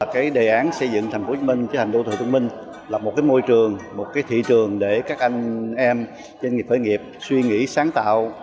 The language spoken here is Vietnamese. cái đề án xây dựng thành phố hồ chí minh trở thành đô thờ thông minh là một cái môi trường một cái thị trường để các anh em doanh nghiệp khởi nghiệp suy nghĩ sáng tạo